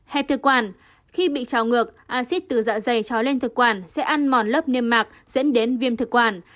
hẹp thực quản khi bị trào ngược axit từ dạ dày trào lên thực quản sẽ ăn mòn lớp niêm mặc dẫn đến viêm thực quản